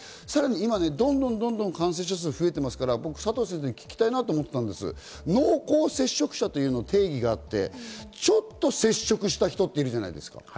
さらにはどんどん感染者数が増えているから聞きたいなと思ってたんですが、濃厚接触者という定義があって、ちょっと接触した人っているじゃない。